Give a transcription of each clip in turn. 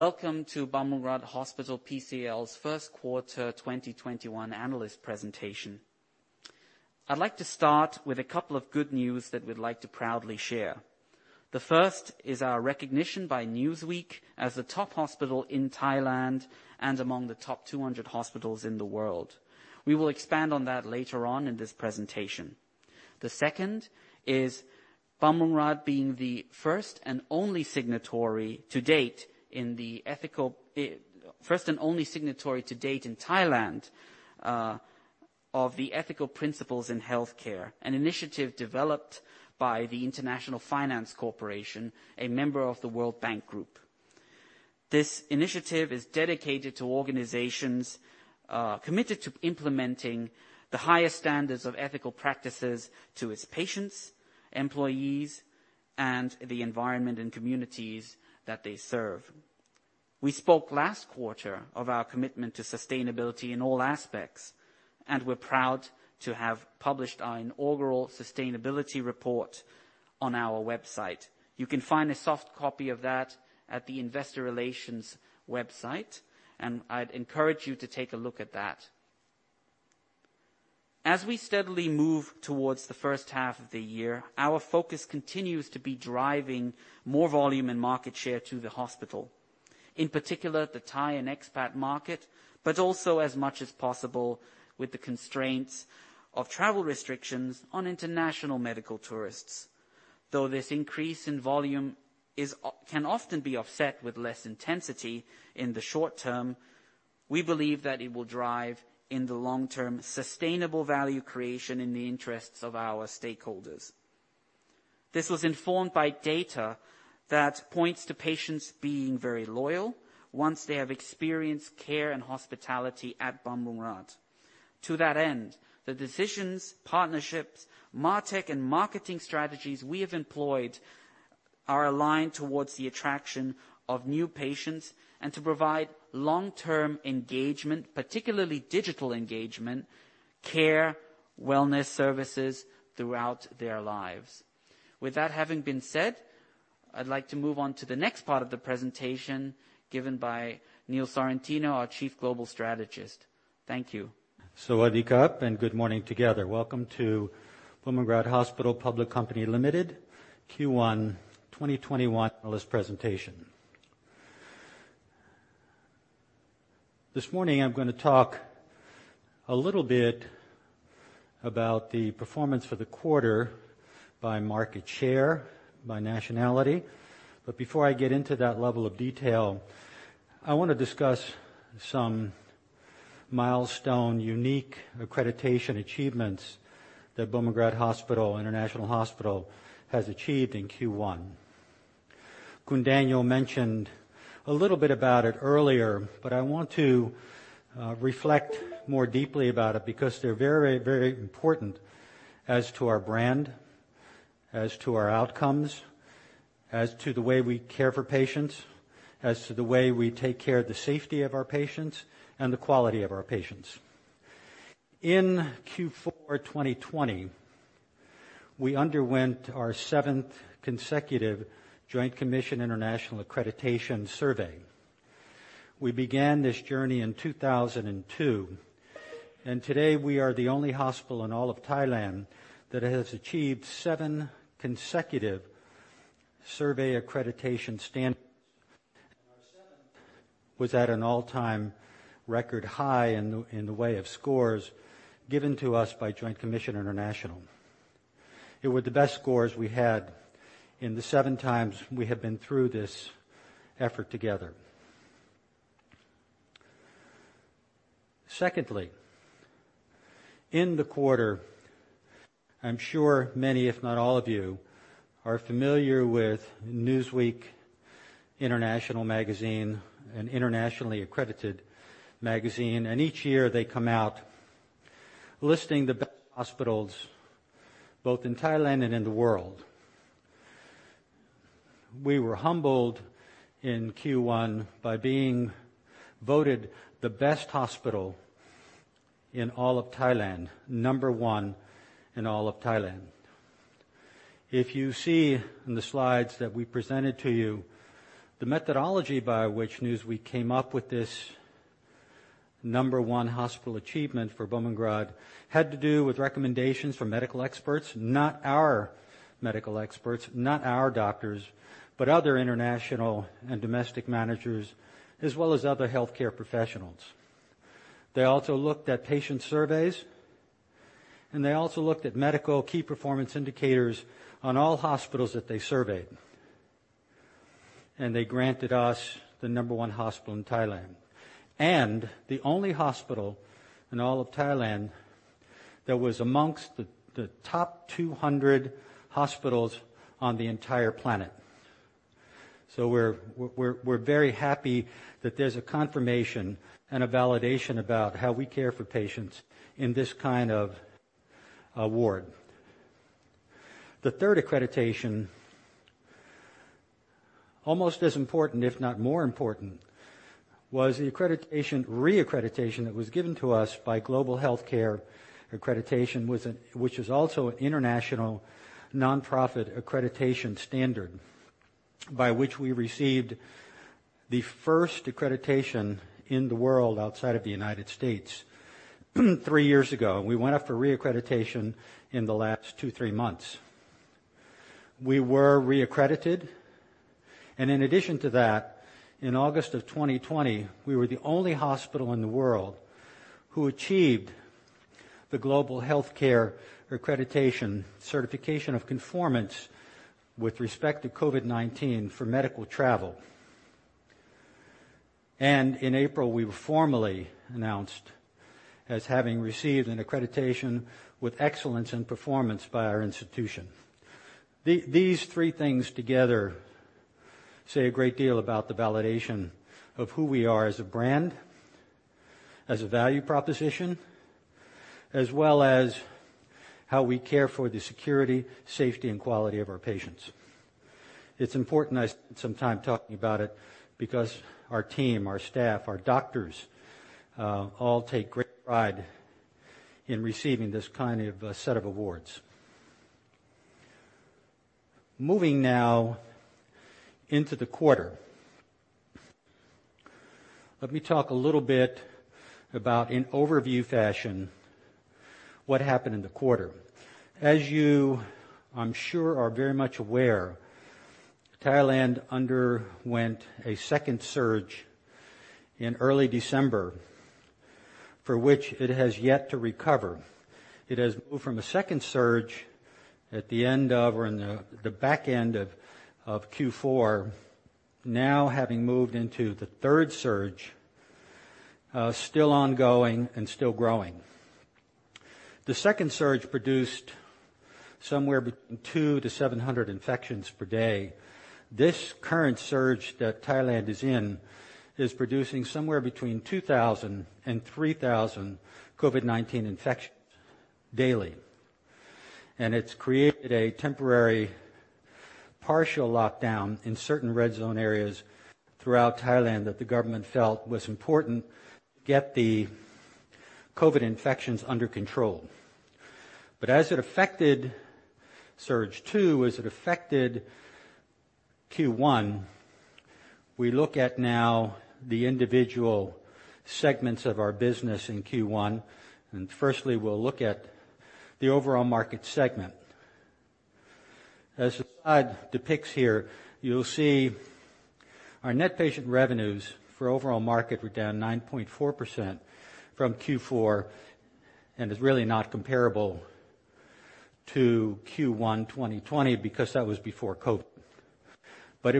Welcome to Bumrungrad Hospital PCL's first quarter 2021 analyst presentation. I'd like to start with a couple of good news that we'd like to proudly share. The first is our recognition by Newsweek as the top hospital in Thailand and among the top 200 hospitals in the world. We will expand on that later on in this presentation. The second is Bumrungrad being the first and only signatory to date in Thailand of the ethical principles in healthcare, an initiative developed by the International Finance Corporation, a member of the World Bank Group. This initiative is dedicated to organizations committed to implementing the highest standards of ethical practices to its patients, employees, and the environment and communities that they serve. We spoke last quarter of our commitment to sustainability in all aspects, and we're proud to have published our inaugural sustainability report on our website. You can find a soft copy of that at the investor relations website, and I'd encourage you to take a look at that. As we steadily move towards the first half of the year, our focus continues to be driving more volume and market share to the hospital. In particular, the Thai and expat market, but also as much as possible with the constraints of travel restrictions on international medical tourists. Though this increase in volume can often be offset with less intensity in the short term, we believe that it will drive, in the long term, sustainable value creation in the interests of our stakeholders. This was informed by data that points to patients being very loyal once they have experienced care and hospitality at Bumrungrad. To that end, the decisions, partnerships, MarTech, and marketing strategies we have employed are aligned towards the attraction of new patients and to provide long-term engagement, particularly digital engagement, care, wellness services throughout their lives. With that having been said, I'd like to move on to the next part of the presentation given by Neil Sorrentino, our Chief Global Strategist. Thank you. Good morning together. Welcome to Bumrungrad Hospital Public Company Limited Q1 2021 analyst presentation. This morning, I'm going to talk a little bit about the performance for the quarter by market share, by nationality. Before I get into that level of detail, I want to discuss some milestone unique accreditation achievements that Bumrungrad International Hospital has achieved in Q1. Daniel mentioned a little bit about it earlier, but I want to reflect more deeply about it because they're very, very important as to our brand, as to our outcomes, as to the way we care for patients, as to the way we take care of the safety of our patients, and the quality of our patients. In Q4 2020, we underwent our seventh consecutive Joint Commission International accreditation survey. We began this journey in 2002. Today we are the only hospital in all of Thailand that has achieved seven consecutive survey accreditation standards. Our seventh was at an all-time record high in the way of scores given to us by Joint Commission International. It were the best scores we had in the seven times we have been through this effort together. Secondly, in the quarter, I'm sure many, if not all of you, are familiar with Newsweek international magazine, an internationally accredited magazine. Each year they come out listing the best hospitals both in Thailand and in the world. We were humbled in Q1 by being voted the best hospital in all of Thailand, number one in all of Thailand. If you see in the slides that we presented to you, the methodology by which Newsweek came up with this number one hospital achievement for Bumrungrad had to do with recommendations from medical experts. Not our medical experts, not our doctors, but other international and domestic managers, as well as other healthcare professionals. They also looked at patient surveys, they also looked at medical key performance indicators on all hospitals that they surveyed, they granted us the number one hospital in Thailand. The only hospital in all of Thailand that was amongst the top 200 hospitals on the entire planet. We're very happy that there's a confirmation and a validation about how we care for patients in this kind of award. The third accreditation, almost as important, if not more important was the accreditation, re-accreditation that was given to us by Global Healthcare Accreditation, which is also an international nonprofit accreditation standard, by which we received the first accreditation in the world outside of the United States three years ago. We went up for re-accreditation in the last two, three months. We were re-accredited. In addition to that, in August of 2020, we were the only hospital in the world who achieved the Global Healthcare Accreditation certification of conformance with respect to COVID-19 for medical travel. In April, we were formally announced as having received an accreditation with excellence in performance by our institution. These three things together say a great deal about the validation of who we are as a brand, as a value proposition, as well as how we care for the security, safety, and quality of our patients. It's important I spend some time talking about it, because our team, our staff, our doctors, all take great pride in receiving this set of awards. Moving now into the quarter. Let me talk a little bit about, in overview fashion, what happened in the quarter. As you, I'm sure, are very much aware, Thailand underwent a second surge in early December, for which it has yet to recover. It has moved from a second surge at the back end of Q4, now having moved into the third surge, still ongoing and still growing. The second surge produced somewhere between 200-700 infections per day. This current surge that Thailand is in is producing somewhere between 2,000 and 3,000 COVID-19 infections daily. It's created a temporary partial lockdown in certain red zone areas throughout Thailand that the government felt was important to get the COVID infections under control. As it affected surge two, as it affected Q1, we look at now the individual segments of our business in Q1, and firstly, we'll look at the overall market segment. As the slide depicts here, you'll see our net patient revenues for overall market were down 9.4% from Q4, and is really not comparable to Q1 2020 because that was before COVID.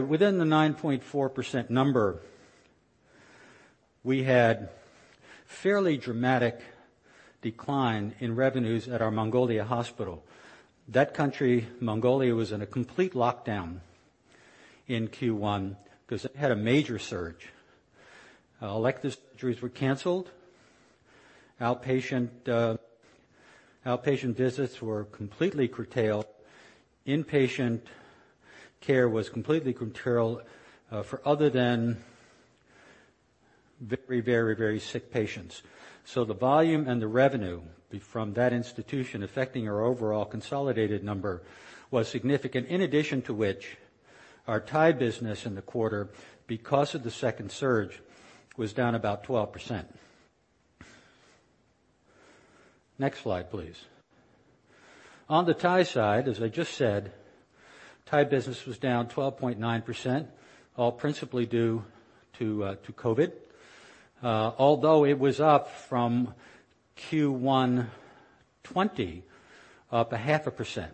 Within the 9.4% number, we had fairly dramatic decline in revenues at our Mongolia hospital. That country, Mongolia, was in a complete lockdown in Q1 because it had a major surge. Elective surgeries were canceled, outpatient visits were completely curtailed, inpatient care was completely curtailed for other than very sick patients. The volume and the revenue from that institution affecting our overall consolidated number was significant, in addition to which our Thai business in the quarter, because of the second surge, was down about 12%. Next slide, please. On the Thai side, as I just said, Thai business was down 12.9%, all principally due to COVID, although it was up from Q1 2020 up 0.5%.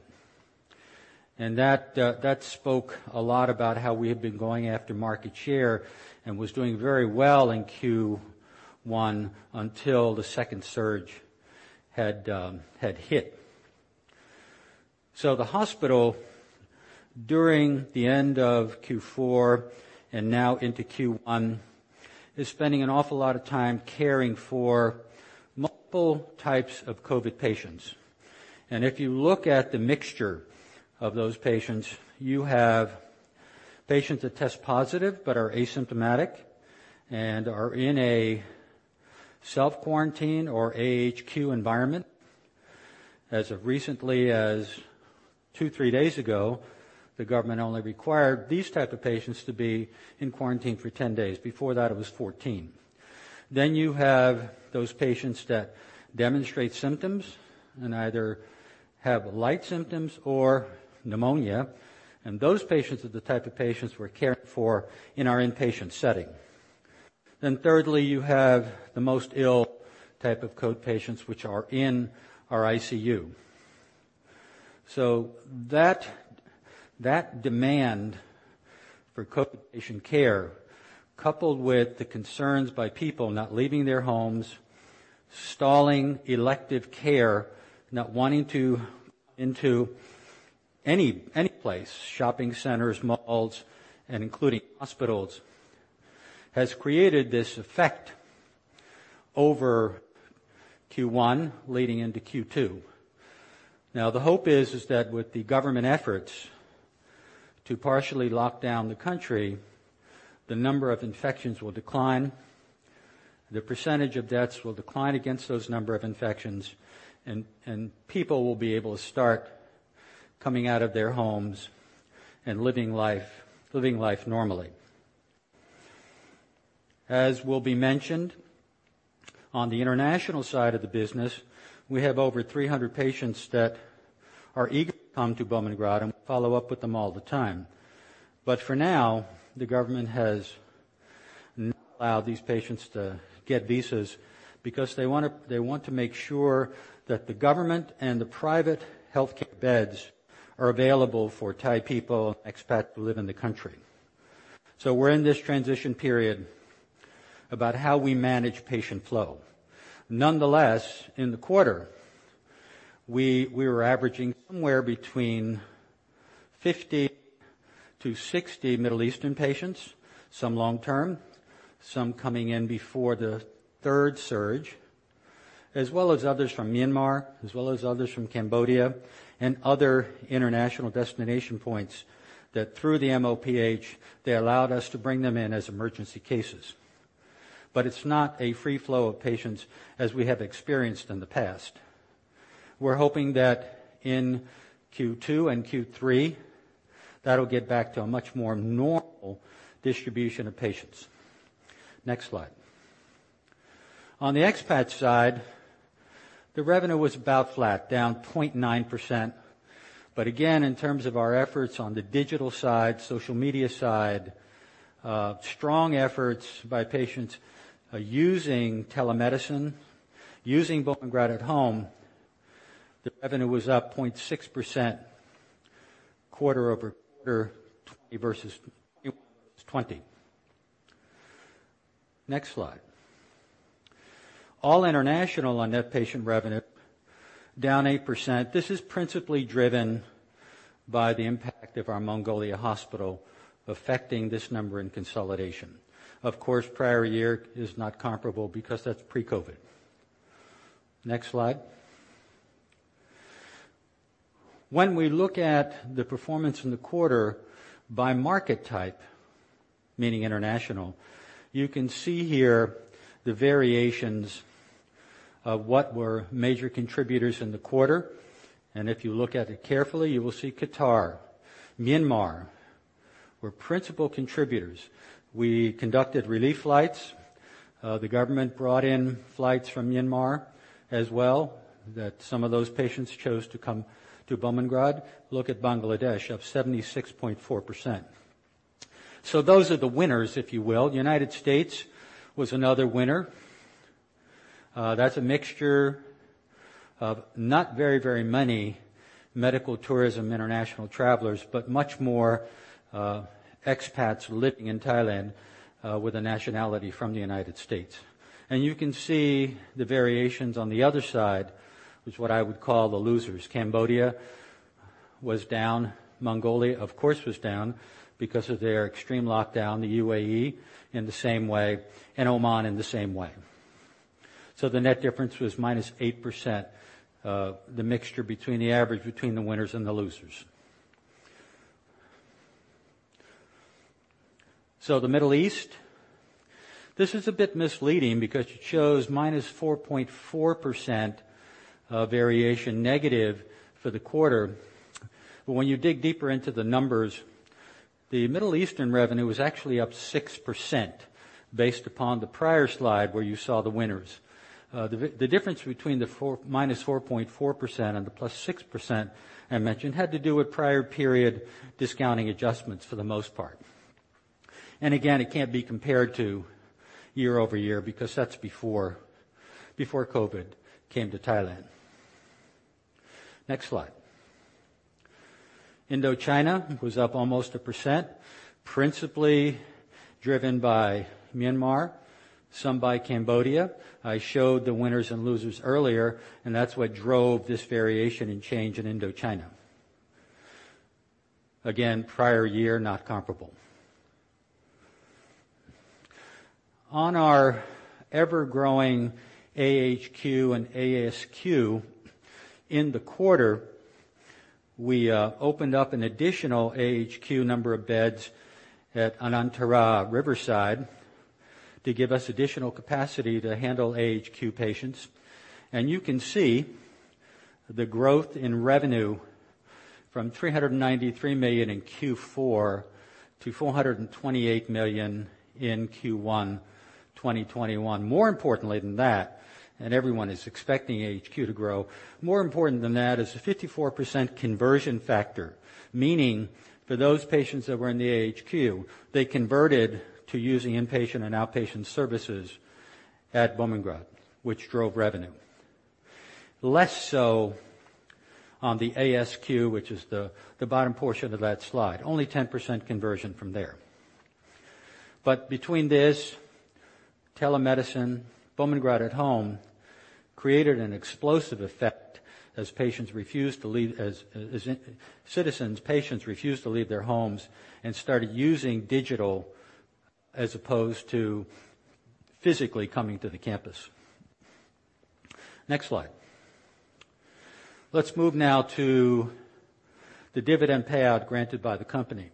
That spoke a lot about how we had been going after market share and was doing very well in Q1 until the second surge had hit. The hospital, during the end of Q4 and now into Q1, is spending an awful lot of time caring for multiple types of COVID patients. If you look at the mixture of those patients, you have patients that test positive but are asymptomatic and are in a self-quarantine or AHQ environment. As of recently as two, three days ago, the government only required these type of patients to be in quarantine for 10 days. Before that, it was 14. You have those patients that demonstrate symptoms and either have light symptoms or pneumonia, and those patients are the type of patients we're caring for in our inpatient setting. Thirdly, you have the most ill type of COVID patients, which are in our ICU. That demand for COVID patient care, coupled with the concerns by people not leaving their homes, stalling elective care, not wanting to come into any place, shopping centers, malls, and including hospitals, has created this effect over Q1 leading into Q2. Now, the hope is that with the government efforts to partially lock down the country, the number of infections will decline, the percentage of deaths will decline against those number of infections, and people will be able to start coming out of their homes and living life normally. As will be mentioned, on the international side of the business, we have over 300 patients that are eager to come to Bumrungrad, and we follow up with them all the time. For now, the government has not allowed these patients to get visas because they want to make sure that the government and the private healthcare beds are available for Thai people, expat who live in the country. We're in this transition period about how we manage patient flow. Nonetheless, in the quarter, we were averaging somewhere between 50 to 60 Middle Eastern patients, some long-term, some coming in before the third surge, as well as others from Myanmar, as well as others from Cambodia, and other international destination points that through the MOPH, they allowed us to bring them in as emergency cases. It's not a free flow of patients as we have experienced in the past. We're hoping that in Q2 and Q3, that'll get back to a much more normal distribution of patients. Next slide. On the expat side, the revenue was about flat, down 0.9%. Again, in terms of our efforts on the digital side, social media side, strong efforts by patients using telemedicine, using Bumrungrad @Home, the revenue was up 0.6% quarter-over-quarter 2021 versus 2020. Next slide. All international on net patient revenue, down 8%. This is principally driven by the impact of our Mongolia hospital affecting this number in consolidation. Of course, prior year is not comparable because that's pre-COVID. Next slide. When we look at the performance in the quarter by market type, meaning international, you can see here the variations of what were major contributors in the quarter. If you look at it carefully, you will see Qatar, Myanmar, were principal contributors. We conducted relief flights. The government brought in flights from Myanmar as well, that some of those patients chose to come to Bumrungrad. Look at Bangladesh, up 76.4%. Those are the winners, if you will. United States was another winner. That's a mixture of not very many medical tourism international travelers, but much more expats living in Thailand with a nationality from the United States. You can see the variations on the other side, which is what I would call the losers. Cambodia was down. Mongolia, of course, was down because of their extreme lockdown. The UAE, in the same way, and Oman in the same way. The net difference was -8%, the mixture between the average between the winners and the losers. The Middle East, this is a bit misleading because it shows -4.4% variation negative for the quarter. When you dig deeper into the numbers, the Middle Eastern revenue was actually up 6%, based upon the prior slide where you saw the winners. The difference between the -4.4% and the +6% I mentioned had to do with prior period discounting adjustments for the most part. Again, it can't be compared to year-over-year because that's before COVID came to Thailand. Next slide. Indochina was up almost 1%, principally driven by Myanmar, some by Cambodia. I showed the winners and losers earlier, and that's what drove this variation and change in Indochina. Again, prior year, not comparable. On our ever-growing AHQ and ASQ, in the quarter, we opened up an additional AHQ number of beds at Anantara Riverside to give us additional capacity to handle AHQ patients. You can see the growth in revenue from 393 million in Q4 to 428 million in Q1 2021. More importantly than that, and everyone is expecting AHQ to grow, more important than that is the 54% conversion factor. Meaning for those patients that were in the AHQ, they converted to using inpatient and outpatient services at Bumrungrad, which drove revenue. Less so on the ASQ, which is the bottom portion of that slide. Only 10% conversion from there. Between this, telemedicine, Bumrungrad @Home created an explosive effect as citizens, patients refused to leave their homes and started using digital as opposed to physically coming to the campus. Next slide. Let's move now to the dividend payout granted by the company.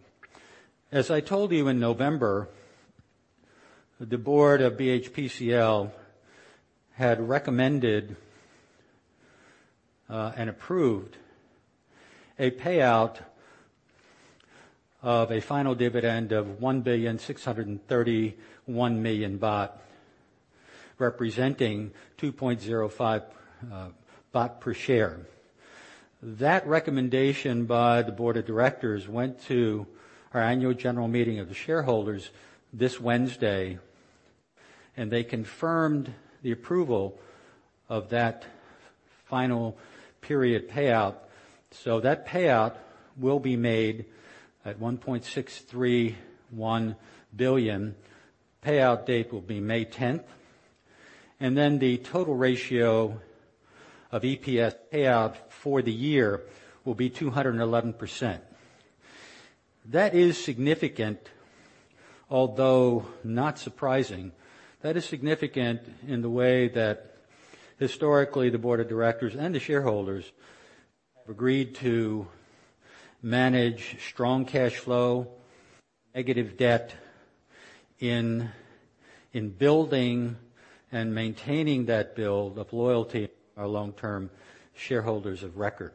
As I told you in November, the Board of BHPCL had recommended and approved a payout of a final dividend of 1.631 billion baht, representing 2.05 baht per share. That recommendation by the Board of Directors went to our Annual General Meeting of the Shareholders this Wednesday. They confirmed the approval of that final period payout. That payout will be made at 1.631 billion. Payout date will be May 10th. The total ratio of EPS payout for the year will be 211%. That is significant, although not surprising. That is significant in the way that historically the board of directors and the shareholders have agreed to manage strong cash flow, negative debt in building and maintaining that build of loyalty of our long-term shareholders of record.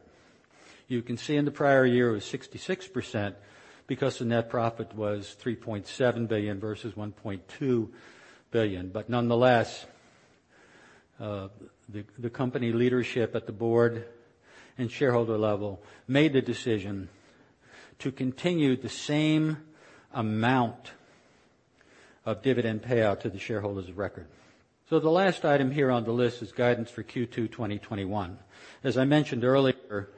You can see in the prior year it was 66% because the net profit was 3.7 billion versus 1.2 billion. Nonetheless, the company leadership at the board and shareholder level made the decision to continue the same amount of dividend payout to the shareholders of record. The last item here on the list is guidance for Q2 2021. As I mentioned earlier,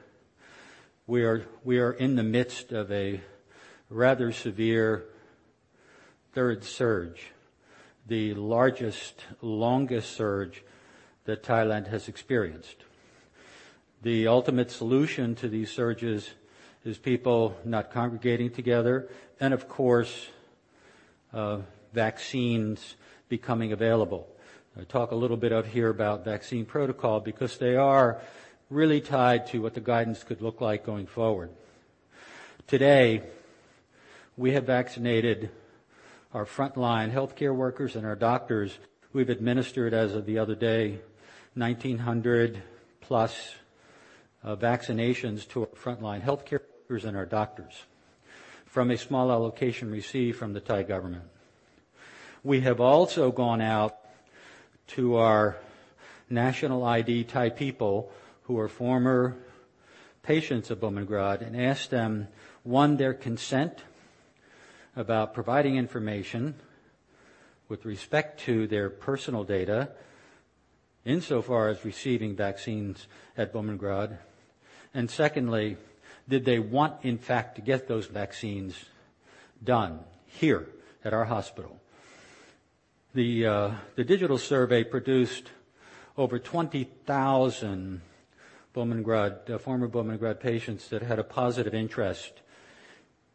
we are in the midst of a rather severe third surge, the largest, longest surge that Thailand has experienced. The ultimate solution to these surges is people not congregating together and, of course, vaccines becoming available. I talk a little bit up here about vaccine protocol because they are really tied to what the guidance could look like going forward. Today, we have vaccinated our frontline healthcare workers and our doctors. We've administered as of the other day, 1,900+ vaccinations to our frontline healthcare workers and our doctors from a small allocation received from the Thai government. We have also gone out to our national ID Thai people who are former patients of Bumrungrad and asked them, one, their consent about providing information with respect to their personal data insofar as receiving vaccines at Bumrungrad. Secondly, did they want in fact to get those vaccines done here at our hospital? The digital survey produced over 20,000 former Bumrungrad patients that had a positive interest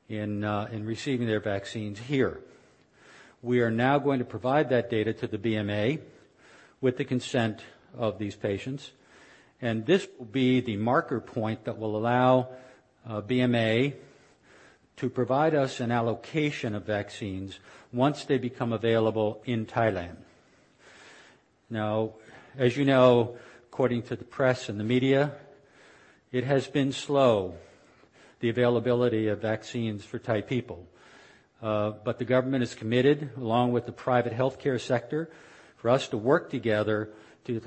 in receiving their vaccines here. We are now going to provide that data to the BMA with the consent of these patients, and this will be the marker point that will allow BMA to provide us an allocation of vaccines once they become available in Thailand. As you know, according to the press and the media, it has been slow, the availability of vaccines for Thai people. The government is committed, along with the private healthcare sector, for us to work together to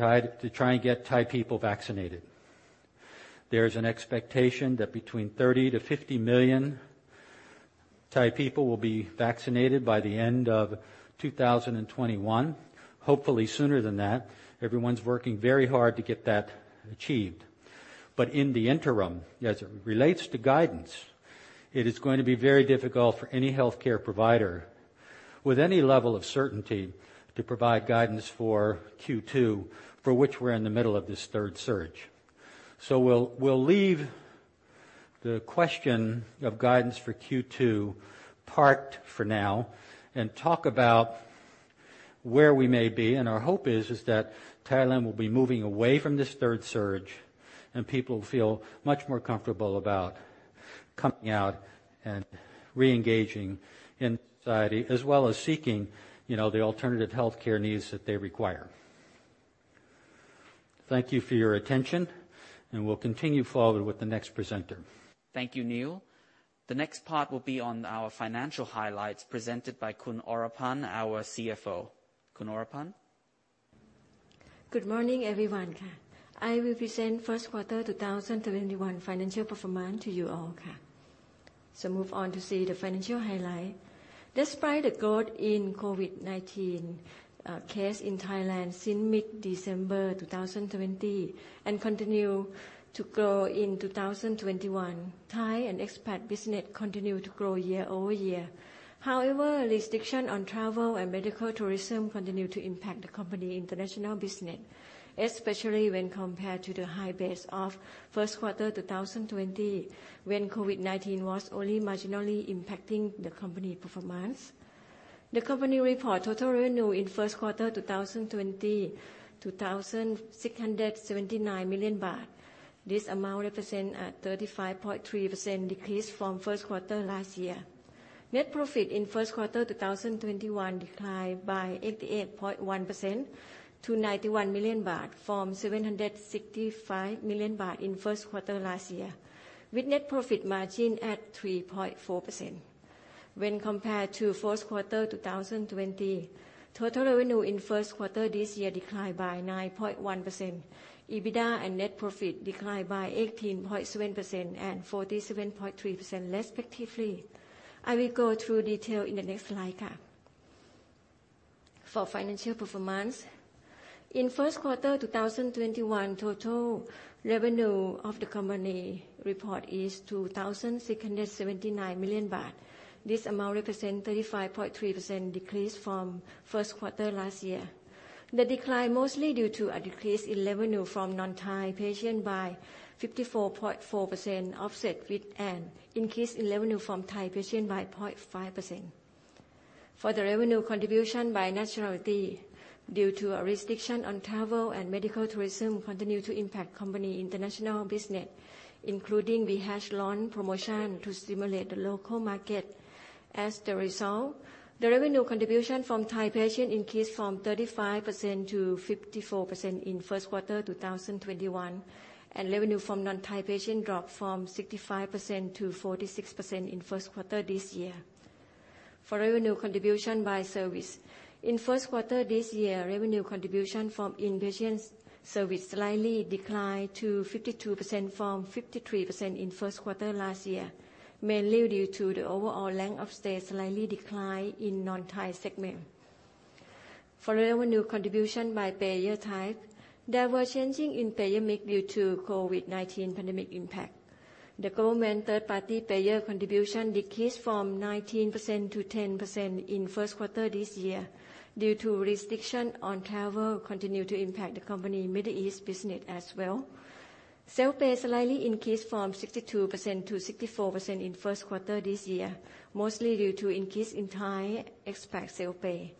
try and get Thai people vaccinated. There's an expectation that between 30 million-50 million Thai people will be vaccinated by the end of 2021. Hopefully sooner than that. Everyone's working very hard to get that achieved. In the interim, as it relates to guidance, it is going to be very difficult for any healthcare provider with any level of certainty to provide guidance for Q2, for which we're in the middle of this third surge. We'll leave the question of guidance for Q2 parked for now and talk about where we may be. Our hope is that Thailand will be moving away from this third surge, and people feel much more comfortable about coming out and re-engaging in society, as well as seeking the alternative healthcare needs that they require. Thank you for your attention, and we'll continue forward with the next presenter. Thank you, Neil. The next part will be on our financial highlights presented by Khun Oraphan, our CFO. Khun Oraphan? Good morning, everyone. I will present first quarter 2021 financial performance to you all. Move on to see the financial highlight. Despite the growth in COVID-19 case in Thailand since mid-December 2020 and continue to grow in 2021, Thai and expat business continued to grow year-over-year. However, restriction on travel and medical tourism continued to impact the company international business, especially when compared to the high base of first quarter 2020, when COVID-19 was only marginally impacting the company performance. The company report total revenue in first quarter 2020, 2,679 million baht. This amount represent a 35.3% decrease from first quarter last year. Net profit in first quarter 2021 declined by 88.1% to 91 million baht from 765 million baht in first quarter last year, with net profit margin at 3.4%. When compared to first quarter 2020, total revenue in first quarter this year declined by 9.1%. EBITDA and net profit declined by 18.7% and 47.3% respectively. I will go through detail in the next slide. For financial performance, in first quarter 2021, total revenue of the company report is 2,679 million baht. This amount represent 35.3% decrease from first quarter last year. The decline mostly due to a decrease in revenue from non-Thai patient by 54.4%, offset with an increase in revenue from Thai patient by 0.5%. For the revenue contribution by nationality, due to a restriction on travel and medical tourism continued to impact company international business, including we health loan promotion to stimulate the local market. As the result, the revenue contribution from Thai patient increased from 35%-54% in first quarter 2021, and revenue from non-Thai patient dropped from 65%-46% in first quarter this year. For revenue contribution by service, in first quarter this year, revenue contribution from in-patient service slightly declined to 52% from 53% in first quarter last year, mainly due to the overall length of stay slightly declined in non-Thai segment. For revenue contribution by payer type, there were changing in payer mix due to COVID-19 pandemic impact. The government third-party payer contribution decreased from 19% to 10% in first quarter this year due to restriction on travel continued to impact the company Middle East business as well. Self-pay slightly increased from 62% to 64% in first quarter this year, mostly due to increase in Thai expat self-pay.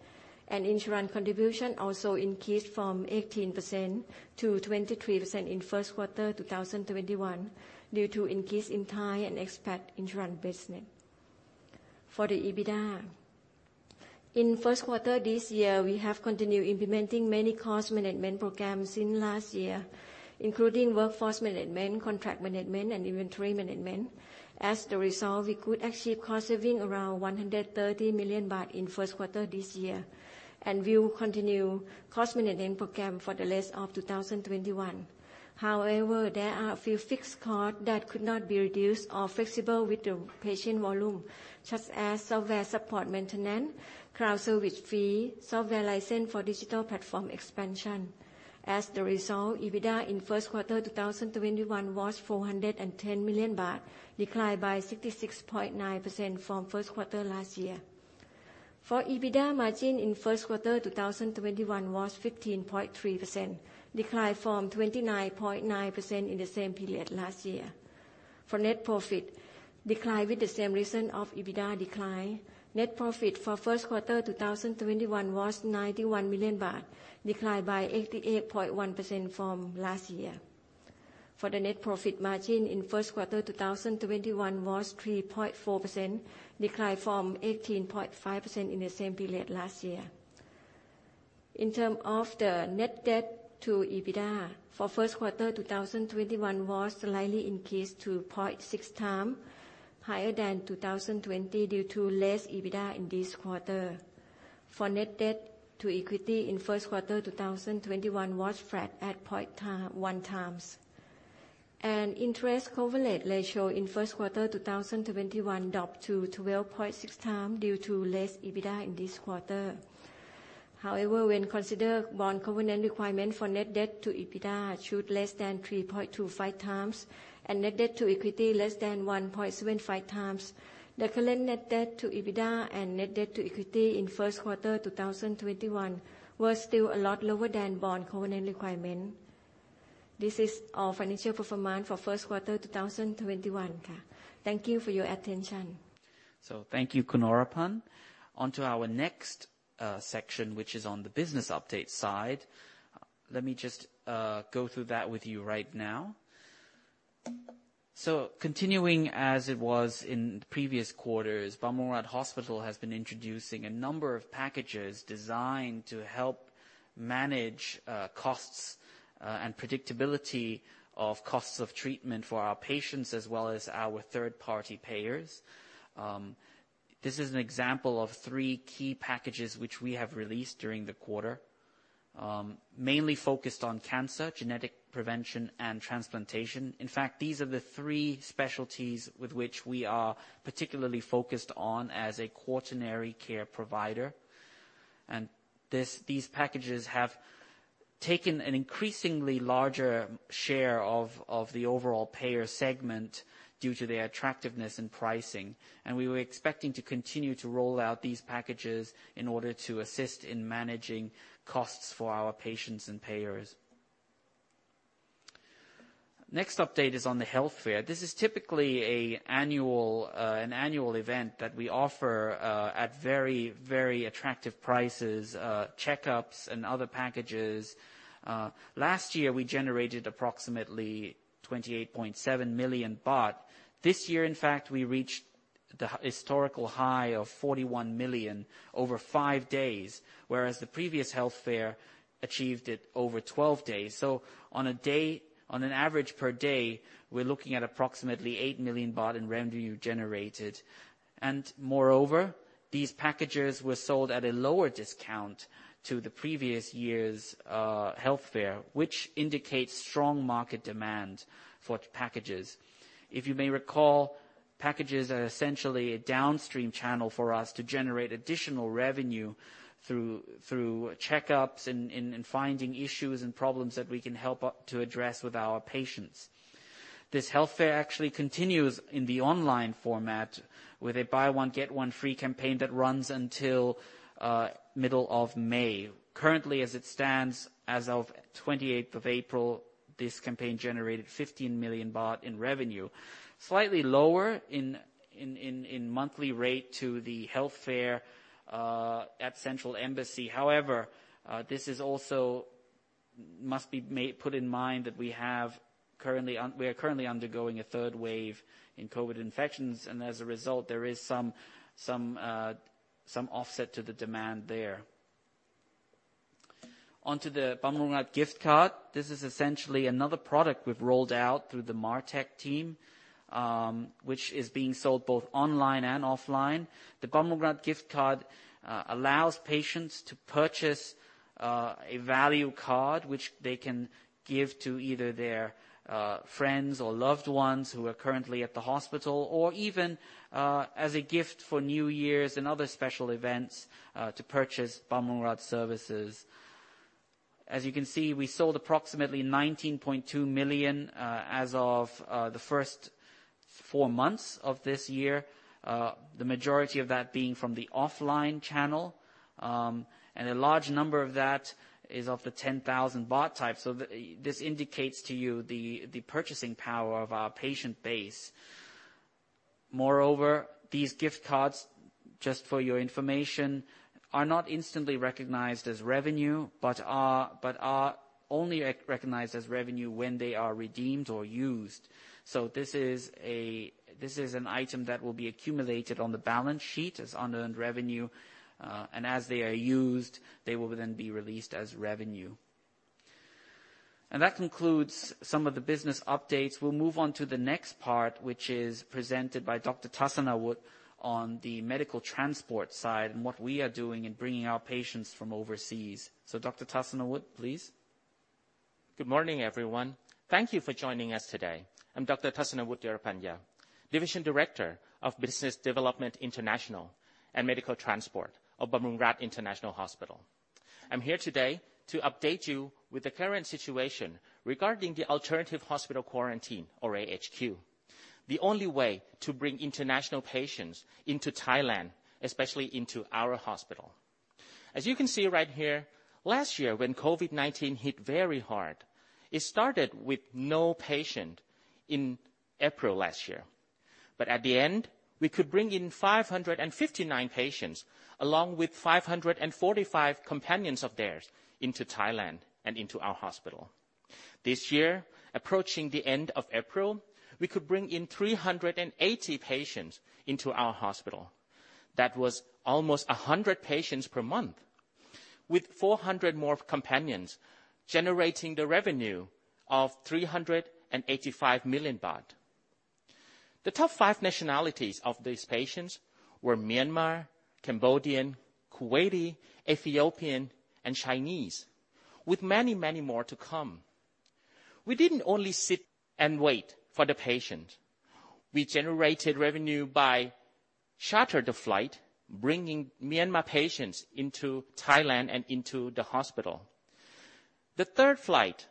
And insurance contribution also increased from 18% to 23% in first quarter 2021 due to increase in Thai and expat insurance business. For the EBITDA, in first quarter this year, we have continued implementing many cost management programs since last year, including workforce management, contract management, and inventory management. As the result, we could achieve cost saving around 130 million baht in first quarter this year and will continue cost management program for the rest of 2021. However, there are a few fixed cost that could not be reduced or flexible with the patient volume, such as software support maintenance, cloud service fee, software license for digital platform expansion. As the result, EBITDA in first quarter 2021 was 410 million baht, declined by 66.9% from first quarter last year. For EBITDA margin in first quarter 2021 was 15.3%, declined from 29.9% in the same period last year. For net profit, declined with the same reason of EBITDA decline. Net profit for Q1 2021 was 91 million baht, declined by 88.1% from last year. For the net profit margin in Q1 2021 was 3.4%, declined from 18.5% in the same period last year. In terms of the net debt to EBITDA, for Q1 2021 was slightly increased to 0.6x higher than 2020 due to less EBITDA in this quarter. For net debt to equity in Q1 2021 was flat at 0.1x. Interest coverage ratio in Q1 2021 dropped to 12.6x due to less EBITDA in this quarter. However, when consider bond covenant requirement for net debt to EBITDA should less than 3.25x and net debt to equity less than 1.75x, the current net debt to EBITDA and net debt to equity in Q1 2021 was still a lot lower than bond covenant requirement. This is our financial performance for first quarter 2021. Thank you for your attention. Thank you, Khun Oraphan. On to our next section, which is on the business update side. Let me just go through that with you right now. Continuing as it was in previous quarters, Bumrungrad Hospital has been introducing a number of packages designed to help manage costs and predictability of costs of treatment for our patients as well as our third-party payers. This is an example of three key packages which we have released during the quarter. Mainly focused on cancer, genetic prevention, and transplantation. In fact, these are the three specialties with which we are particularly focused on as a quaternary care provider. These packages have taken an increasingly larger share of the overall payer segment due to their attractiveness in pricing, and we were expecting to continue to roll out these packages in order to assist in managing costs for our patients and payers. Next update is on the health fair. This is typically an annual event that we offer at very, very attractive prices, checkups and other packages. Last year, we generated approximately 28.7 million baht. This year, in fact, we reached the historical high of 41 million over five days, whereas the previous health fair achieved it over 12 days. On an average per day, we're looking at approximately 8 million baht in revenue generated. Moreover, these packages were sold at a lower discount to the previous year's health fair, which indicates strong market demand for packages. If you may recall, packages are essentially a downstream channel for us to generate additional revenue through checkups and in finding issues and problems that we can help to address with our patients. This health fair actually continues in the online format with a buy one, get one free campaign that runs until middle of May. Currently, as it stands as of 28th of April, this campaign generated 15 million baht in revenue, slightly lower in monthly rate to the health fair at Central Embassy. However, this is also must be put in mind that we are currently undergoing a third wave in COVID infections, and as a result, there is some offset to the demand there. On to the Bumrungrad Gift Card. This is essentially another product we've rolled out through the MarTech team, which is being sold both online and offline. The Bumrungrad Gift Card allows patients to purchase a value card, which they can give to either their friends or loved ones who are currently at the hospital, or even as a gift for New Year's and other special events to purchase Bumrungrad services. As you can see, we sold approximately 19.2 million as of the first four months of this year. The majority of that being from the offline channel. A large number of that is of the 10,000 baht type. This indicates to you the purchasing power of our patient base. Moreover, these gift cards, just for your information, are not instantly recognized as revenue, but are only recognized as revenue when they are redeemed or used. This is an item that will be accumulated on the balance sheet as unearned revenue. As they are used, they will then be released as revenue. That concludes some of the business updates. We'll move on to the next part, which is presented by Dr. Thassanawut on the medical transport side and what we are doing in bringing our patients from overseas. Dr. Thassanawut, please. Good morning, everyone. Thank you for joining us today. I'm Dr. Thassanawut Dhearapanya, Division Director of Business Development International and Medical Transport of Bumrungrad International Hospital. I'm here today to update you with the current situation regarding the alternative hospital quarantine or AHQ. The only way to bring international patients into Thailand, especially into our hospital. As you can see right here, last year when COVID-19 hit very hard, it started with no patient in April last year. At the end, we could bring in 559 patients, along with 545 companions of theirs into Thailand and into our hospital. This year, approaching the end of April, we could bring in 380 patients into our hospital. That was almost 100 patients per month, with 400 more companions, generating the revenue of 385 million baht. The top five nationalities of these patients were Myanmar, Cambodian, Kuwaiti, Ethiopian, and Chinese, with many, many more to come. We didn't only sit and wait for the patient. We generated revenue by charter the flight, bringing Myanmar patients into Thailand and into the hospital. The third flight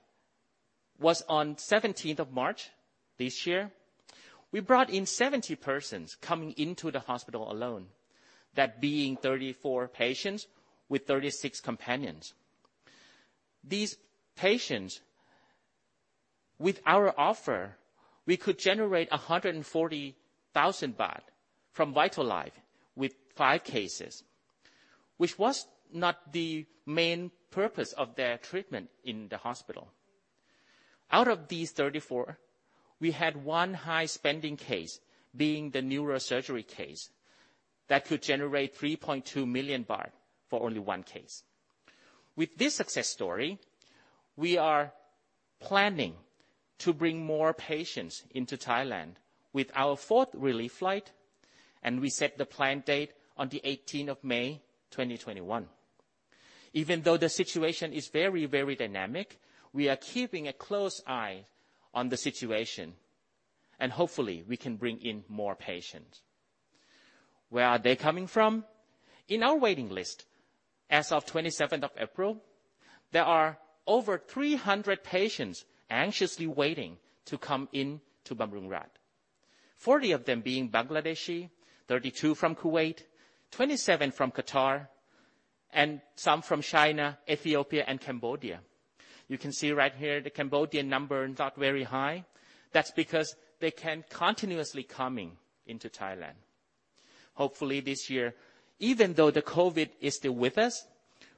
was on 17th of March this year. We brought in 70 persons coming into the hospital alone. That being 34 patients with 36 companions. These patients, with our offer, we could generate 140,000 baht from VitalLife with five cases, which was not the main purpose of their treatment in the hospital. Out of these 34, we had one high spending case being the neurosurgery case. That could generate 3.2 million baht for only one case. With this success story, we are planning to bring more patients into Thailand with our fourth relief flight, and we set the planned date on the 18th of May 2021. Even though the situation is very, very dynamic, we are keeping a close eye on the situation, and hopefully, we can bring in more patients. Where are they coming from? In our waiting list, as of 27th of April, there are over 300 patients anxiously waiting to come in to Bumrungrad. 40 of them being Bangladeshi, 32 from Kuwait, 27 from Qatar, and some from China, Ethiopia, and Cambodia. You can see right here, the Cambodian number is not very high. That's because they can continuously coming into Thailand. Hopefully this year, even though the COVID is still with us,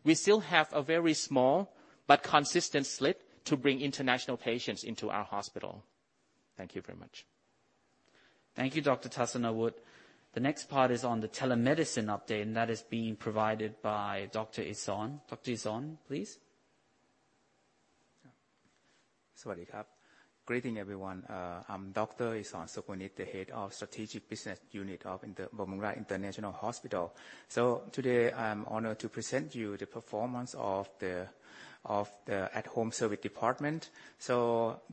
we still have a very small but consistent slot to bring international patients into our hospital. Thank you very much. Thank you, Dr. Thassanawut. The next part is on the telemedicine update, and that is being provided by Dr. Isorn. Dr. Isorn, please. Sawadee Kha. Greeting everyone. I'm Dr. Isorn Sookwanish, the Head of Strategic Business Unit of Bumrungrad International Hospital. Today, I'm honored to present you the performance of the @Home Service department.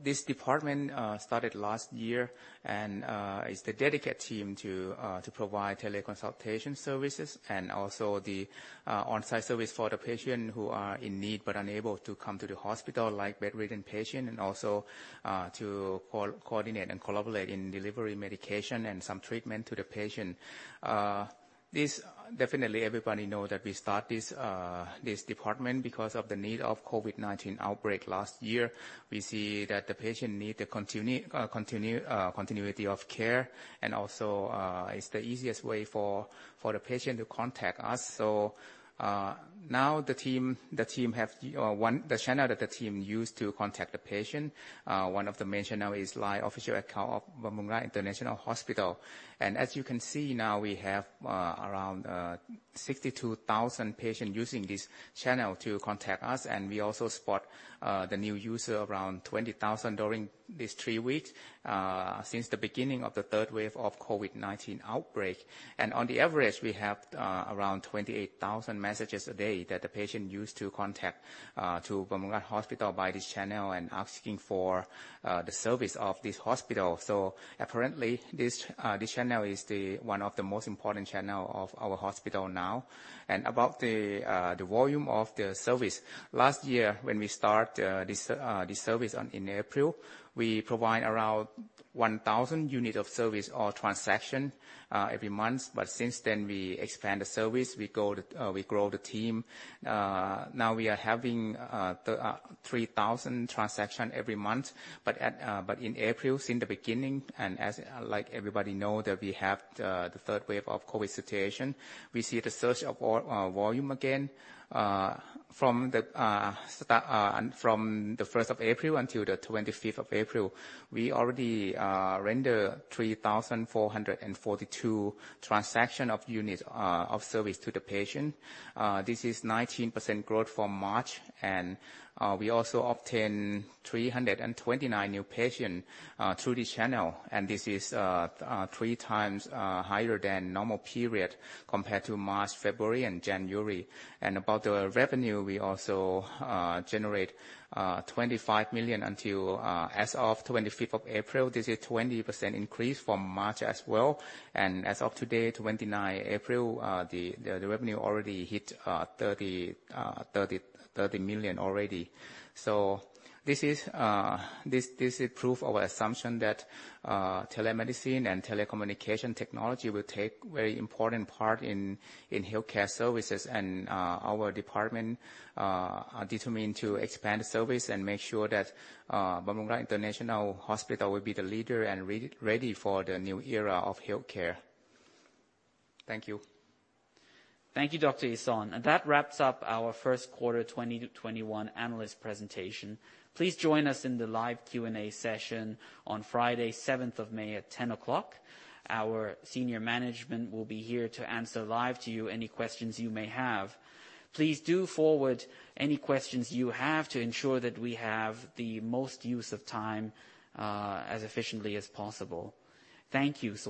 This department started last year and is the dedicated team to provide teleconsultation services and also the on-site service for the patients who are in need but unable to come to the hospital, like bedridden patient, and also to coordinate and collaborate in delivery medication and some treatment to the patient. This definitely everybody know that we start this department because of the need of COVID-19 outbreak last year. We see that the patient need the continuity of care, and also, it's the easiest way for the patient to contact us. Now the channel that the team use to contact the patient, one of the main channel is LINE official account of Bumrungrad International Hospital. As you can see now we have around 62,000 patients using this channel to contact us. We also spot the new user around 20,000 during these three weeks since the beginning of the third wave of COVID-19 outbreak. On the average, we have around 28,000 messages a day that the patient use to contact Bumrungrad Hospital by this channel and asking for the service of this hospital. Apparently, this channel is one of the most important channel of our hospital now. About the volume of the service, last year when we start this service in April, we provide around 1,000 unit of service or transaction every month. Since then, we expand the service, we grow the team. Now we are having 3,000 transaction every month. In April, since the beginning, and as like everybody know that we have the third wave of COVID situation, we see the surge of volume again. From the 1st of April until the 25th of April, we already render 3,442 transaction of units of service to the patient. This is 19% growth from March, and we also obtain 329 new patient through this channel, and this is three times higher than normal period compared to March, February, and January. About the revenue, we also generate 25 million until as of 25th of April. This is 20% increase from March as well. As of today, 29 April, the revenue already hit 30 million already. This is proof of our assumption that telemedicine and telecommunication technology will take very important part in healthcare services and our department are determined to expand the service and make sure that Bumrungrad International Hospital will be the leader and ready for the new era of healthcare. Thank you. Thank you, Dr. Isorn. That wraps up our first quarter 2021 analyst presentation. Please join us in the live Q&A session on Friday, 7th of May at 10:00 A.M. Our senior management will be here to answer live to you any questions you may have. Please do forward any questions you have to ensure that we have the most use of time as efficiently as possible. Thank you.